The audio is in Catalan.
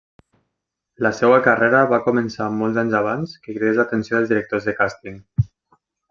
La seua carrera va començar molts anys abans que cridés l'atenció dels directors de càsting.